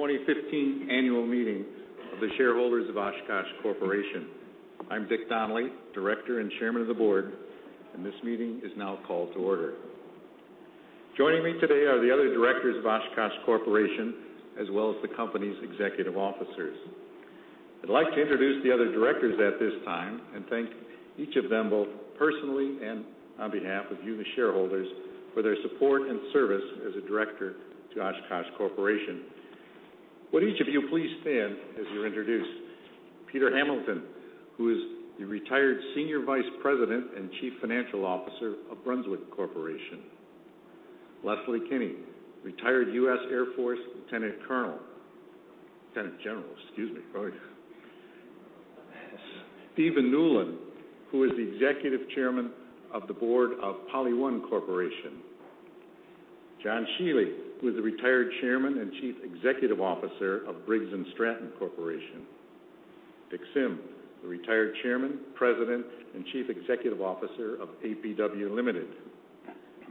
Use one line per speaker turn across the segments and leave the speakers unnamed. This is the 2015 annual meeting of the shareholders of Oshkosh Corporation. I'm Dick Donnelly, director and chairman of the board, and this meeting is now called to order. Joining me today are the other directors of Oshkosh Corporation, as well as the company's executive officers. I'd like to introduce the other directors at this time and thank each of them, both personally and on behalf of you, the shareholders, for their support and service as a director to Oshkosh Corporation. Would each of you please stand as you're introduced? Peter Hamilton, who is the retired Senior Vice President and Chief Financial Officer of Brunswick Corporation. Leslie Kenne, retired U.S. Air Force Lieutenant Colonel, Lieutenant General, excuse me. Stephen Newlin, who is the Executive Chairman of the Board of PolyOne Corporation. John Shiely, who is the retired Chairman and Chief Executive Officer of Briggs & Stratton Corporation. Dick Sim, the retired Chairman, President, and Chief Executive Officer of APW Limited.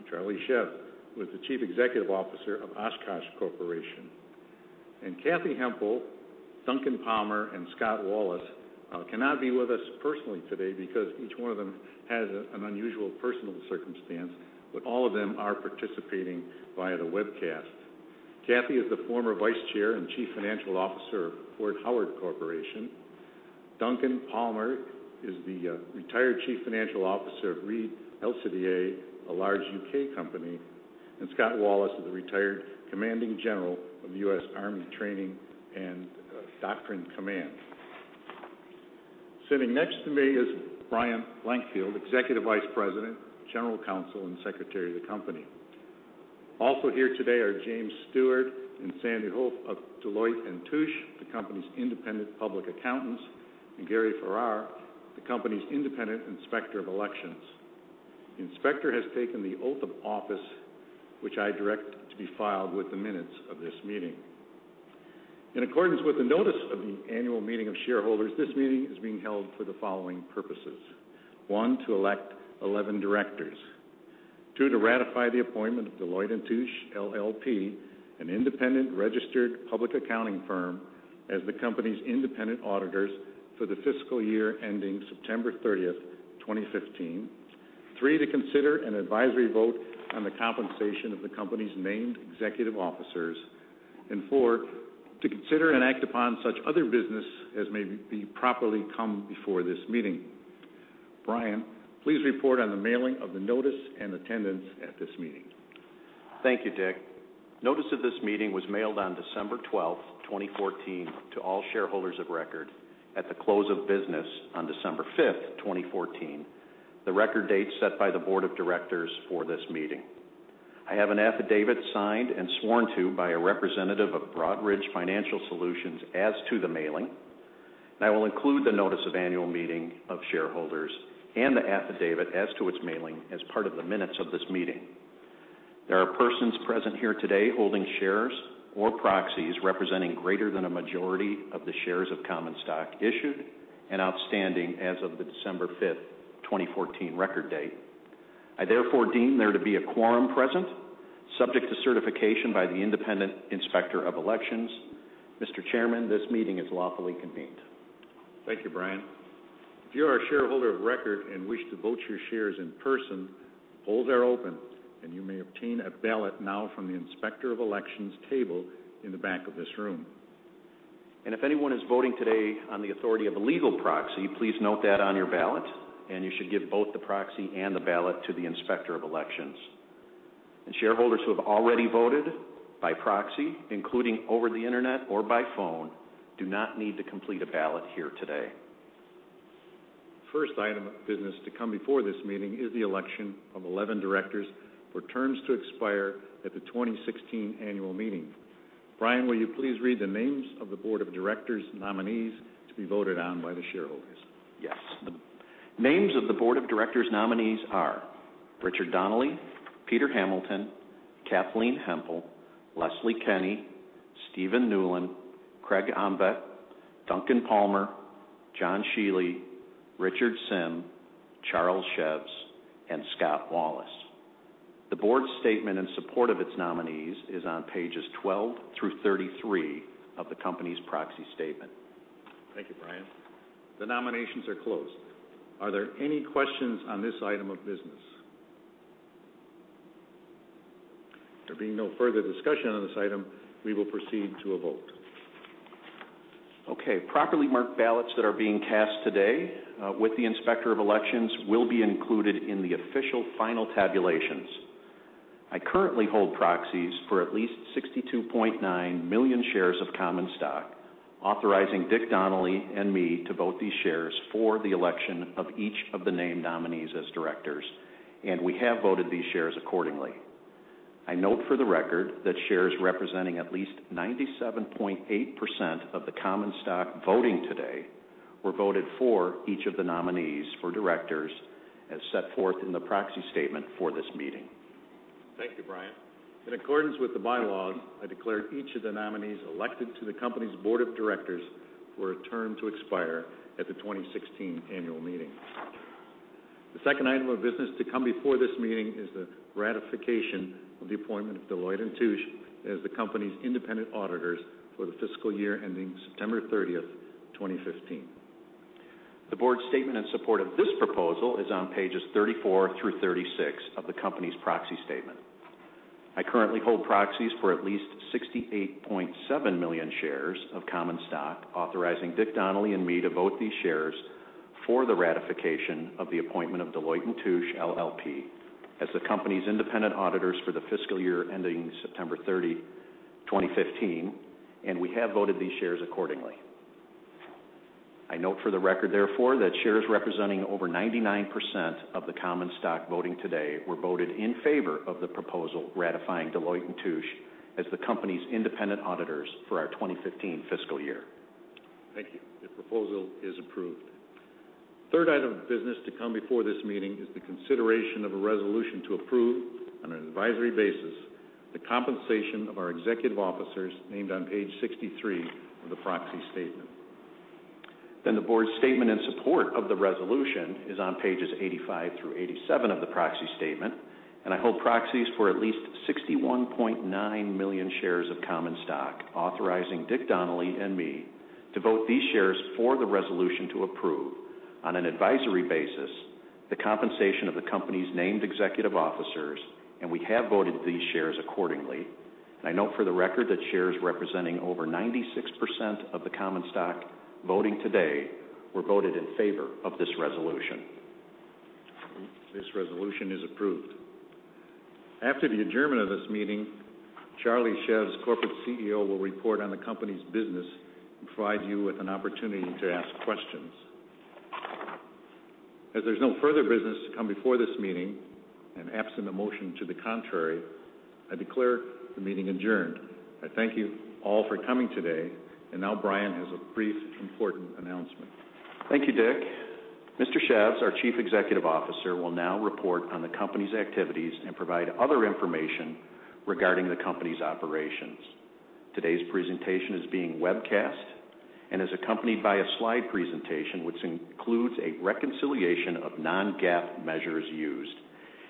Charlie Szews, who is the Chief Executive Officer of Oshkosh Corporation. Kathy Hempel, Duncan Palmer, and Scott Wallace cannot be with us personally today because each one of them has an unusual personal circumstance, but all of them are participating via the webcast. Kathy is the former Vice Chair and Chief Financial Officer of Fort Howard Corporation. Duncan Palmer is the retired Chief Financial Officer of Reed Elsevier, a large U.K. company. Scott Wallace is the retired Commanding General of U.S. Army Training and Doctrine Command. Sitting next to me is Bryan Blankfield, Executive Vice President, General Counsel, and Secretary of the company. Also here today are James Stewart and Sandy Hupfer of Deloitte & Touche, the company's Independent Public Accountants, and Gary Farrar, the company's Independent Inspector of Elections. The inspector has taken the oath of office, which I direct to be filed with the minutes of this meeting. In accordance with the notice of the annual meeting of shareholders, this meeting is being held for the following purposes. One, to elect 11 directors. Two, to ratify the appointment of Deloitte & Touche LLP, an independent registered public accounting firm, as the company's independent auditors for the fiscal year ending September 30th, 2015. Three, to consider an advisory vote on the compensation of the company's named executive officers. And four, to consider and act upon such other business as may be properly come before this meeting. Bryan, please report on the mailing of the notice and attendance at this meeting.
Thank you, Dick. Notice of this meeting was mailed on December 12th, 2014, to all shareholders of record at the close of business on December 5th, 2014, the record date set by the board of directors for this meeting. I have an affidavit signed and sworn to by a representative of Broadridge Financial Solutions as to the mailing, and I will include the notice of annual meeting of shareholders and the affidavit as to its mailing as part of the minutes of this meeting. There are persons present here today holding shares or proxies representing greater than a majority of the shares of common stock issued and outstanding as of the December 5th, 2014, record date. I therefore deem there to be a quorum present, subject to certification by the independent inspector of elections. Mr. Chairman, this meeting is lawfully convened.
Thank you, Bryan. If you are a shareholder of record and wish to vote your shares in person, polls are open, and you may obtain a ballot now from the inspector of elections table in the back of this room.
If anyone is voting today on the authority of a legal proxy, please note that on your ballot, and you should give both the proxy and the ballot to the inspector of elections. Shareholders who have already voted by proxy, including over the internet or by phone, do not need to complete a ballot here today.
The first item of business to come before this meeting is the election of 11 directors for terms to expire at the 2016 annual meeting. Bryan, will you please read the names of the board of directors nominees to be voted on by the shareholders?
Yes. The names of the board of directors nominees are Richard Donnelly, Peter Hamilton, Kathleen Hempel, Leslie Kenne, Stephen Newlin, Craig Omtvedt, Duncan Palmer, John Shiely, Richard Sim, Charles Szews, and Scott Wallace. The Board's statement in support of its nominees is on pages 12 through 33 of the company's proxy statement.
Thank you, Bryan. The nominations are closed. Are there any questions on this item of business? There being no further discussion on this item, we will proceed to a vote.
Okay. Properly marked ballots that are being cast today with the inspector of elections will be included in the official final tabulations. I currently hold proxies for at least 62.9 million shares of common stock, authorizing Dick Donnelly and me to vote these shares for the election of each of the named nominees as directors, and we have voted these shares accordingly. I note for the record that shares representing at least 97.8% of the common stock voting today were voted for each of the nominees for directors, as set forth in the Proxy Statement for this meeting.
Thank you, Bryan. In accordance with the bylaws, I declare each of the nominees elected to the company's board of directors for a term to expire at the 2016 annual meeting. The second item of business to come before this meeting is the ratification of the appointment of Deloitte & Touche as the company's independent auditors for the fiscal year ending September 30th, 2015.
The Board's statement in support of this proposal is on pages 34 through 36 of the company's proxy statement. I currently hold proxies for at least 68.7 million shares of common stock, authorizing Dick Donnelly and me to vote these shares for the ratification of the appointment of Deloitte & Touche LLP as the company's independent auditors for the fiscal year ending September 30th, 2015, and we have voted these shares accordingly. I note for the record, therefore, that shares representing over 99% of the common stock voting today were voted in favor of the proposal ratifying Deloitte & Touche LLP as the company's independent auditors for our 2015 fiscal year.
Thank you. The proposal is approved. The third item of business to come before this meeting is the consideration of a resolution to approve, on an advisory basis, the compensation of our executive officers named on page 63 of the proxy statement.
Then the Board's statement in support of the resolution is on pages 85 through 87 of the proxy statement, and I hold proxies for at least 61.9 million shares of common stock, authorizing Dick Donnelly and me to vote these shares for the resolution to approve, on an advisory basis, the compensation of the company's named executive officers, and we have voted these shares accordingly. I note for the record that shares representing over 96% of the common stock voting today were voted in favor of this resolution.
This resolution is approved. After the adjournment of this meeting, Charles Szews, our Chief Executive Officer will report on the company's business and provide you with an opportunity to ask questions. As there's no further business to come before this meeting and absent a motion to the contrary, I declare the meeting adjourned. I thank you all for coming today, and now Bryan has a brief, important announcement.
Thank you, Dick. Mr. Szews, our Chief Executive Officer, will now report on the company's activities and provide other information regarding the company's operations. Today's presentation is being webcast and is accompanied by a slide presentation which includes a reconciliation of non-GAAP measures used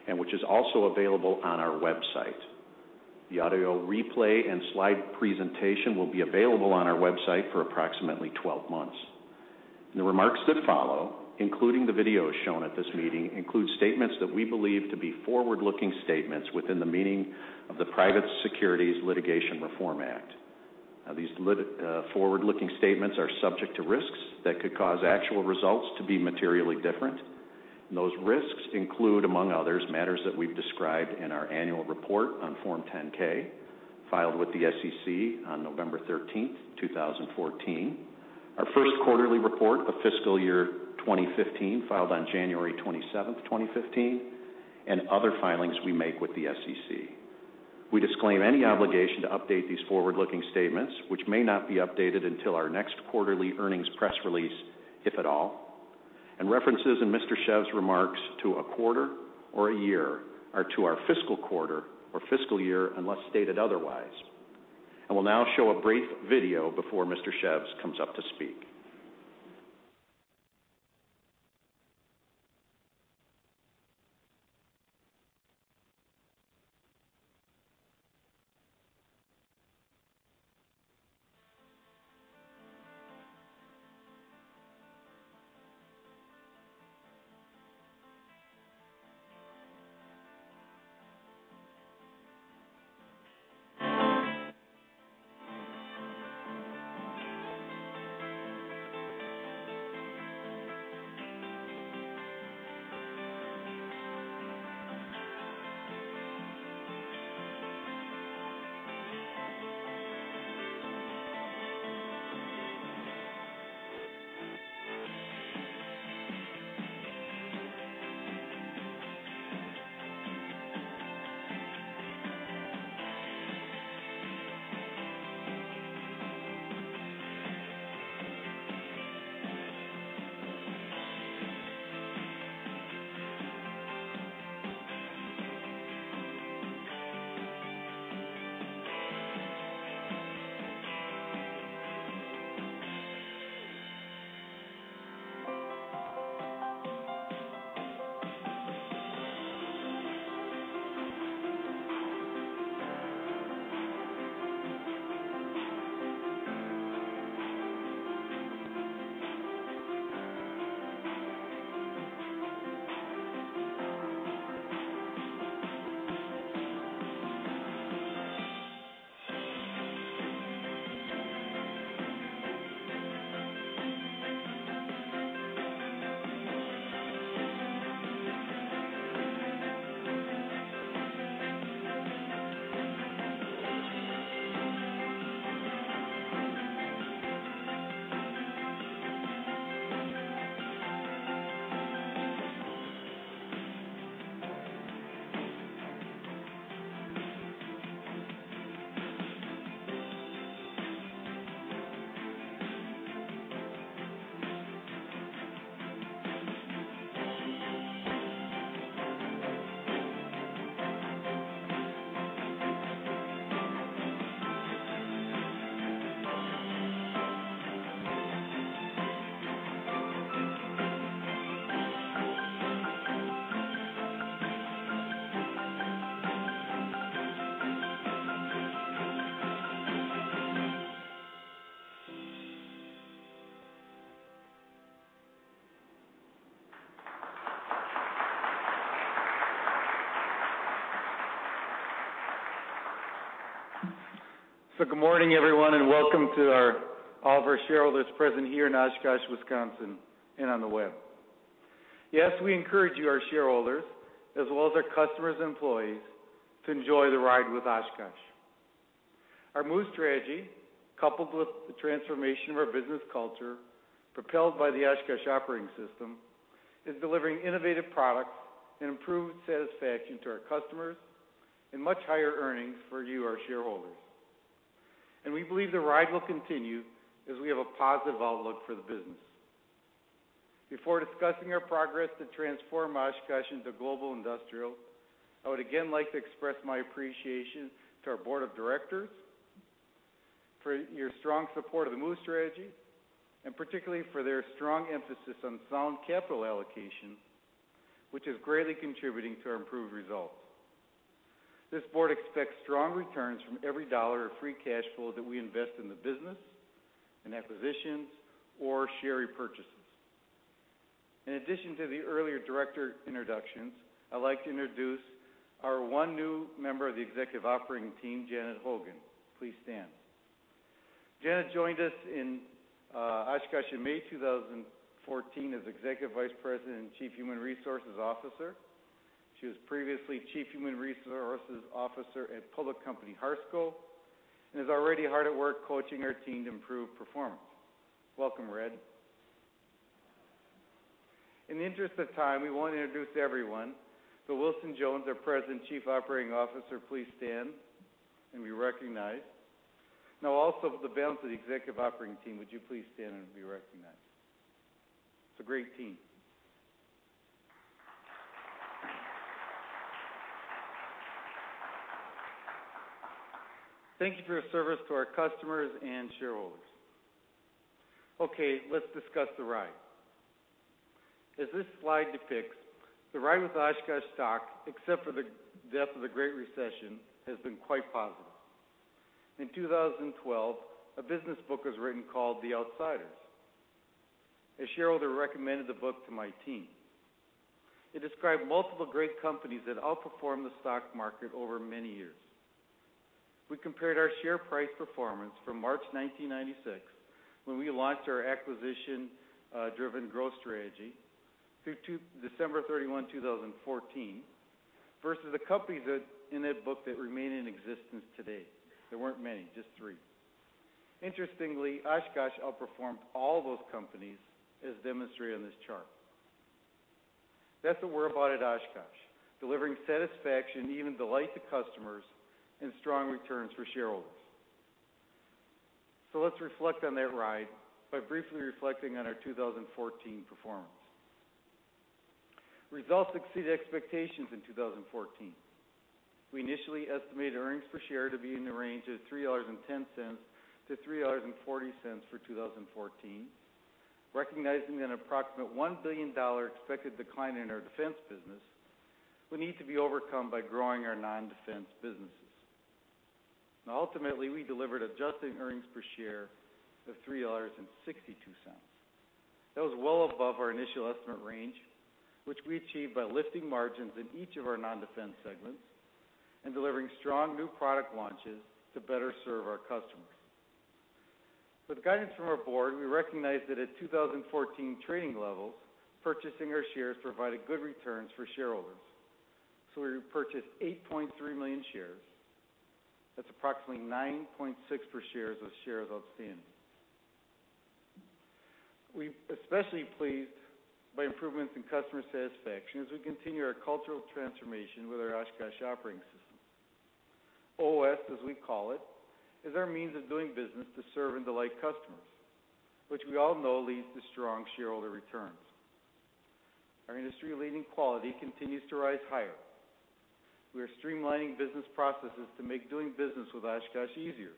and which is also available on our website. The audio replay and slide presentation will be available on our website for approximately 12 months. The remarks that follow, including the video shown at this meeting, include statements that we believe to be forward-looking statements within the meaning of the Private Securities Litigation Reform Act. Now, these forward-looking statements are subject to risks that could cause actual results to be materially different. Those risks include, among others, matters that we've described in our annual report on Form 10-K filed with the SEC on November 13th, 2014, our first quarterly report of fiscal year 2015 filed on January 27th, 2015, and other filings we make with the SEC. We disclaim any obligation to update these forward-looking statements, which may not be updated until our next quarterly earnings press release, if at all. References in Mr. Szews' remarks to a quarter or a year are to our fiscal quarter or fiscal year unless stated otherwise. I will now show a brief video before Mr. Szews comes up to speak.
So good morning, everyone, and welcome to all of our shareholders present here in Oshkosh, Wisconsin, and on the web. Yes, we encourage you, our shareholders, as well as our customers and employees, to enjoy the ride with Oshkosh. Our MOVE Strategy, coupled with the transformation of our business culture propelled by the Oshkosh Operating System, is delivering innovative products and improved satisfaction to our customers and much higher earnings for you, our shareholders. And we believe the ride will continue as we have a positive outlook for the business. Before discussing our progress to transform Oshkosh into global industrial, I would again like to express my appreciation to our board of directors for your strong support of the MOVE Strategy and particularly for their strong emphasis on sound capital allocation, which is greatly contributing to our improved results. This board expects strong returns from every dollar of free cash flow that we invest in the business and acquisitions or share repurchases. In addition to the earlier director introductions, I'd like to introduce our one new member of the executive operating team, Janet Hogan. Please stand. Janet joined us in Oshkosh in May 2014 as Executive Vice President and Chief Human Resources Officer. She was previously Chief Human Resources Officer at public company Harsco, and is already hard at work coaching our team to improve performance. Welcome, Janet. In the interest of time, we want to introduce everyone. Then, Wilson Jones, our President, Chief Operating Officer, please stand and be recognized. Now, also the balance of the executive operating team, would you please stand and be recognized? It's a great team. Thank you for your service to our customers and shareholders. Okay, let's discuss the ride. As this slide depicts, the ride with Oshkosh stock, except for the depth of the Great Recession, has been quite positive. In 2012, a business book was written called The Outsiders. A shareholder recommended the book to my team. It described multiple great companies that outperformed the stock market over many years. We compared our share price performance from March 1996, when we launched our acquisition-driven growth strategy, through December 31, 2014, versus the companies in that book that remain in existence today. There weren't many, just three. Interestingly, Oshkosh outperformed all those companies, as demonstrated on this chart. That's what we're about at Oshkosh, delivering satisfaction, even delight to customers, and strong returns for shareholders. So let's reflect on that ride by briefly reflecting on our 2014 performance. Results exceeded expectations in 2014. We initially estimated earnings per share to be in the range of $3.10-$3.40 for 2014, recognizing that an approximate $1 billion expected decline in our defense business would need to be overcome by growing our non-defense businesses. Now, ultimately, we delivered adjusted earnings per share of $3.62. That was well above our initial estimate range, which we achieved by lifting margins in each of our non-defense segments and delivering strong new product launches to better serve our customers. With guidance from our Board, we recognized that at 2014 trading levels, purchasing our shares provided good returns for shareholders. So we purchased 8.3 million shares. That's approximately 9.6 per share of shares outstanding. We're especially pleased by improvements in customer satisfaction as we continue our cultural transformation with our Oshkosh Operating System. OOS, as we call it, is our means of doing business to serve and delight customers, which we all know leads to strong shareholder returns. Our industry-leading quality continues to rise higher. We are streamlining business processes to make doing business with Oshkosh easier.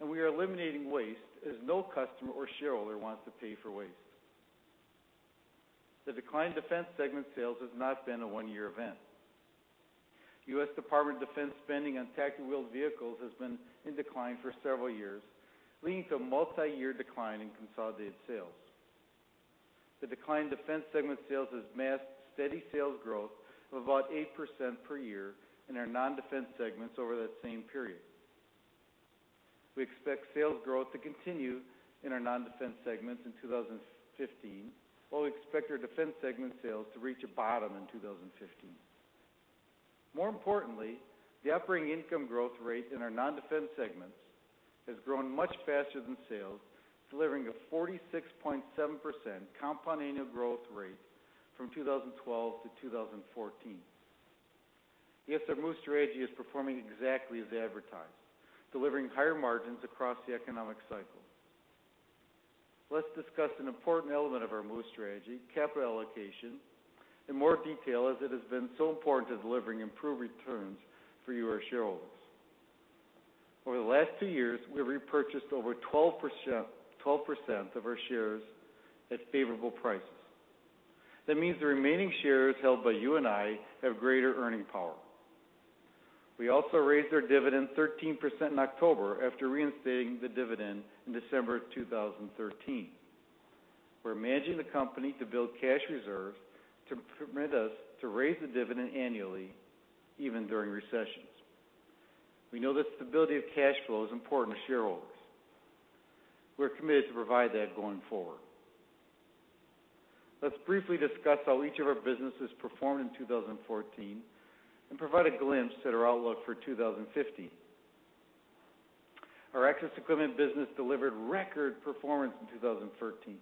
We are eliminating waste, as no customer or shareholder wants to pay for waste. The decline in defense segment sales has not been a one-year event. U.S. Department of Defense spending on tactical vehicles has been in decline for several years, leading to a multi-year decline in consolidated sales. The decline in defense segment sales has masked steady sales growth of about 8% per year in our non-defense segments over that same period. We expect sales growth to continue in our non-defense segments in 2015, while we expect our defense segment sales to reach a bottom in 2015. More importantly, the operating income growth rate in our non-defense segments has grown much faster than sales, delivering a 46.7% compound annual growth rate from 2012-2014. Yes, our MOVE Strategy is performing exactly as advertised, delivering higher margins across the economic cycle. Let's discuss an important element of our MOVE Strategy, capital allocation, in more detail as it has been so important to delivering improved returns for you, our shareholders. Over the last two years, we've repurchased over 12% of our shares at favorable prices. That means the remaining shares held by you and I have greater earning power. We also raised our dividend 13% in October after reinstating the dividend in December 2013. We're managing the company to build cash reserves to permit us to raise the dividend annually, even during recessions. We know that stability of cash flow is important to shareholders. We're committed to provide that going forward. Let's briefly discuss how each of our businesses performed in 2014 and provide a glimpse at our outlook for 2015. Our access equipment business delivered record performance in 2014,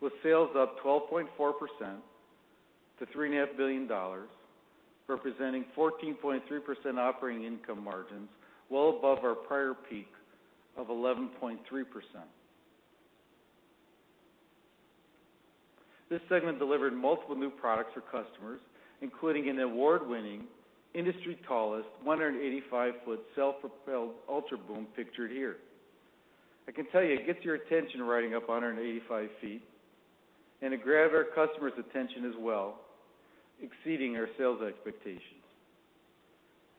with sales up 12.4% to$3.5 billion, representing 14.3% operating income margins, well above our prior peak of 11.3%. This segment delivered multiple new products for customers, including an award-winning, industry tallest 185-foot self-propelled Ultra Boom pictured here. I can tell you it gets your attention riding up 185 feet and it grabs our customers' attention as well, exceeding our sales expectations.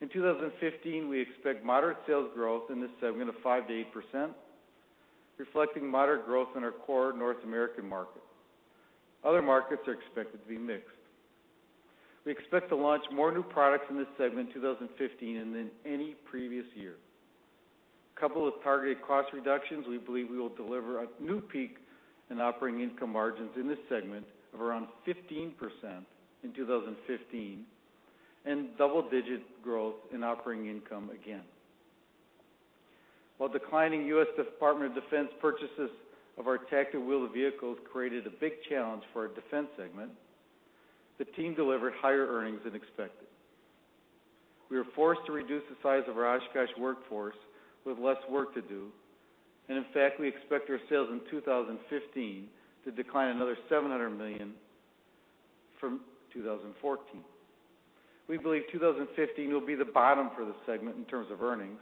In 2015, we expect moderate sales growth in this segment of 5%-8%, reflecting moderate growth in our core North American market. Other markets are expected to be mixed. We expect to launch more new products in this segment in 2015 than any previous year. Coupled with targeted cost reductions, we believe we will deliver a new peak in operating income margins in this segment of around 15% in 2015 and double-digit growth in operating income again. While declining U.S. Department of Defense purchases of our tactical vehicles created a big challenge for our defense segment, the team delivered higher earnings than expected. We were forced to reduce the size of our Oshkosh workforce with less work to do. In fact, we expect our sales in 2015 to decline another $700 million from 2014. We believe 2015 will be the bottom for the segment in terms of earnings.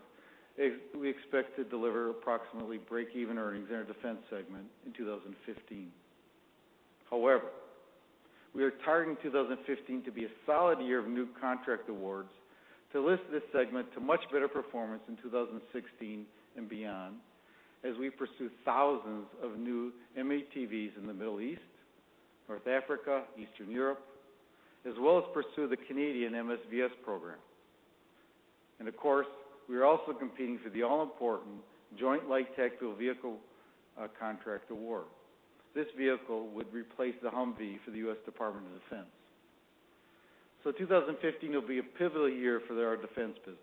We expect to deliver approximately break-even earnings in our defense segment in 2015. However, we are targeting 2015 to be a solid year of new contract awards to lift this segment to much better performance in 2016 and beyond as we pursue thousands of new M-ATVs in the Middle East, North Africa, Eastern Europe, as well as pursue the Canadian MSVS program. Of course, we are also competing for the all-important Joint Light Tactical Vehicle contract award. This vehicle would replace the Humvee for the U.S. Department of Defense. So 2015 will be a pivotal year for our defense business.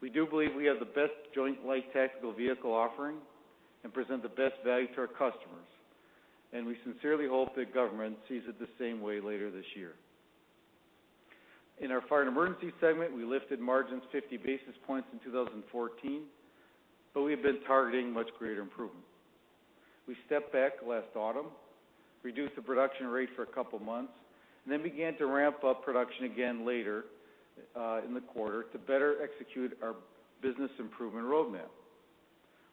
We do believe we have the best Joint Light Tactical Vehicle offering and present the best value to our customers. And we sincerely hope the government sees it the same way later this year. In our fire and emergency segment, we lifted margins 50 basis points in 2014, but we have been targeting much greater improvement. We stepped back last autumn, reduced the production rate for a couple of months, and then began to ramp up production again later in the quarter to better execute our business improvement roadmap.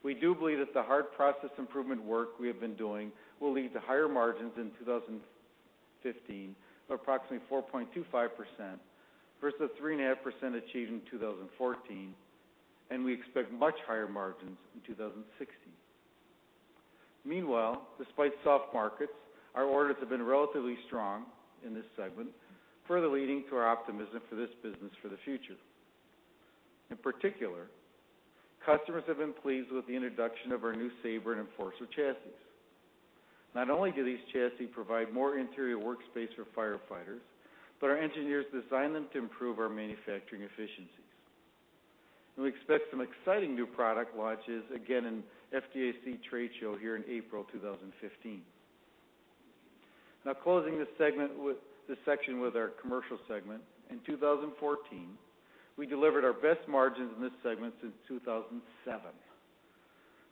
We do believe that the hard process improvement work we have been doing will lead to higher margins in 2015 of approximately 4.25% versus the 3.5% achieved in 2014, and we expect much higher margins in 2016. Meanwhile, despite soft markets, our orders have been relatively strong in this segment, further leading to our optimism for this business for the future. In particular, customers have been pleased with the introduction of our new Saber and Enforcer chassis. Not only do these chassis provide more interior workspace for firefighters, but our engineers designed them to improve our manufacturing efficiencies. We expect some exciting new product launches again in FDIC trade show here in April 2015. Now, closing this segment with this section with our commercial segment, in 2014, we delivered our best margins in this segment since 2007.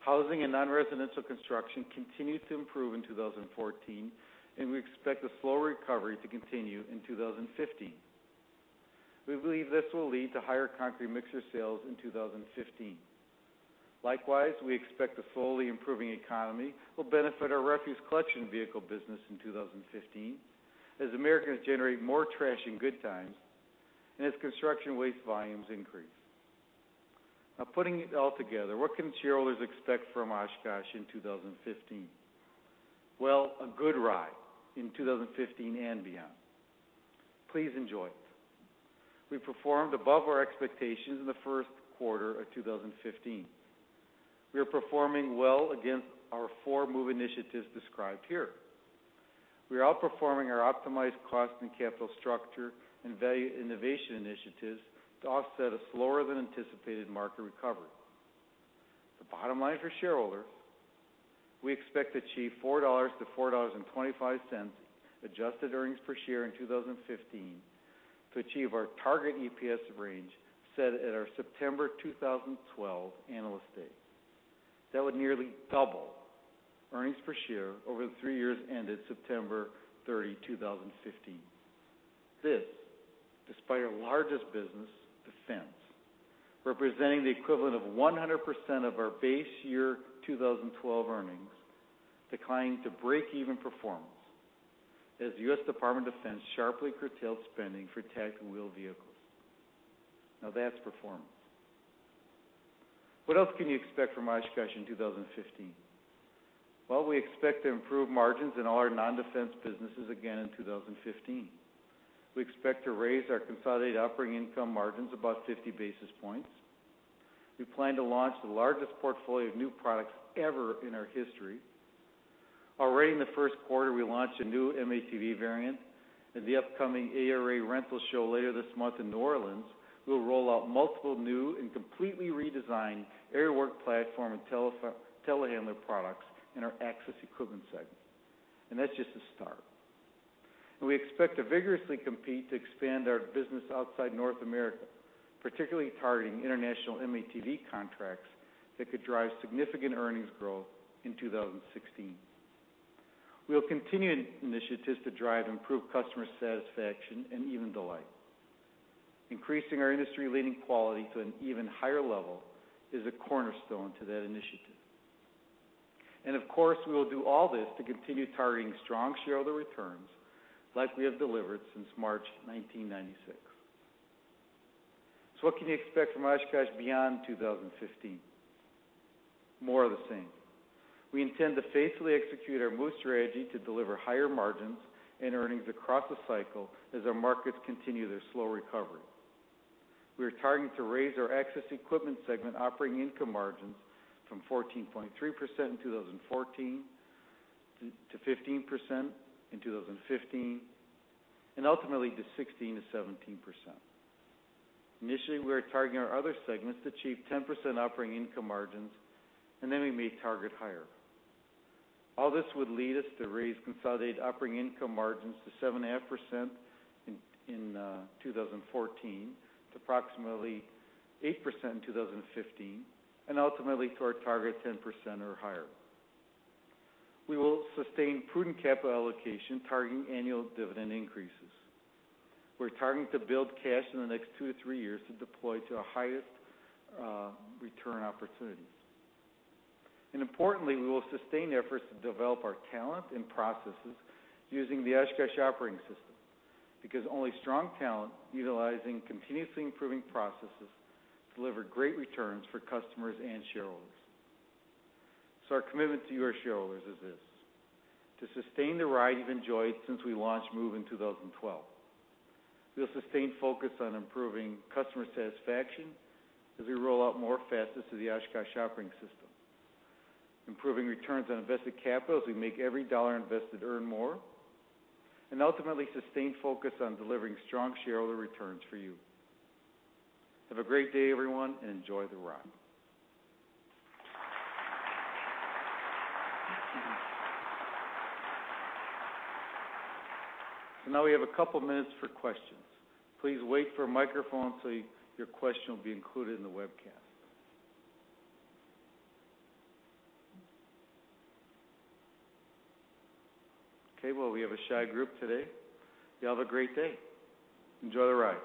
Housing and non-residential construction continued to improve in 2014, and we expect a slow recovery to continue in 2015. We believe this will lead to higher concrete mixer sales in 2015. Likewise, we expect a slowly improving economy will benefit our refuse collection vehicle business in 2015, as Americans generate more trash in good times and as construction waste volumes increase. Now, putting it all together, what can shareholders expect from Oshkosh in 2015? Well, a good ride in 2015 and beyond. Please enjoy it. We performed above our expectations in the first quarter of 2015. We are performing well against our four move initiatives described here. We are outperforming our optimized cost and capital structure and value innovation initiatives to offset a slower-than-anticipated market recovery. The bottom line for shareholders. We expect to achieve $4-$4.25 adjusted earnings per share in 2015 to achieve our target EPS range set at our September 2012 Analyst Day. That would nearly double earnings per share over the three years ended September 30, 2015. This, despite our largest business, defense, representing the equivalent of 100% of our base year 2012 earnings, declining to break-even performance as the U.S. Department of Defense sharply curtailed spending for tactical vehicles. Now, that's performance. What else can you expect from Oshkosh in 2015? Well, we expect to improve margins in all our non-defense businesses again in 2015. We expect to raise our consolidated operating income margins about 50 basis points. We plan to launch the largest portfolio of new products ever in our history. Already in the first quarter, we launched a new M-ATV variant. At the upcoming ARA Rental Show later this month in New Orleans, we'll roll out multiple new and completely redesigned aerial work platform and telehandler products in our access equipment segment. That's just the start. We expect to vigorously compete to expand our business outside North America, particularly targeting international M-ATV contracts that could drive significant earnings growth in 2016. We'll continue initiatives to drive improved customer satisfaction and even delight. Increasing our industry-leading quality to an even higher level is a cornerstone to that initiative. Of course, we will do all this to continue targeting strong shareholder returns like we have delivered since March 1996. What can you expect from Oshkosh beyond 2015? More of the same. We intend to faithfully execute our MOVE strategy to deliver higher margins and earnings across the cycle as our markets continue their slow recovery. We are targeting to raise our access equipment segment operating income margins from 14.3% in 2014 to 15% in 2015, and ultimately to 16%-17%. Initially, we are targeting our other segments to achieve 10% operating income margins, and then we may target higher. All this would lead us to raise consolidated operating income margins to 7.5% in 2014 to approximately 8% in 2015, and ultimately to our target of 10% or higher. We will sustain prudent capital allocation targeting annual dividend increases. We're targeting to build cash in the next two to three years to deploy to our highest return opportunities. And importantly, we will sustain efforts to develop our talent and processes using the Oshkosh Operating System because only strong talent utilizing continuously improving processes delivers great returns for customers and shareholders. So our commitment to you, our shareholders, is this: to sustain the ride you've enjoyed since we launched Move in 2012. We'll sustain focus on improving customer satisfaction as we roll out more facets of the Oshkosh Operating System, improving returns on invested capital as we make every dollar invested earn more, and ultimately sustain focus on delivering strong shareholder returns for you. Have a great day, everyone, and enjoy the ride. So now we have a couple of minutes for questions. Please wait for a microphone so your question will be included in the webcast.
Okay, well, we have a shy group today. Y'all have a great day. Enjoy the ride.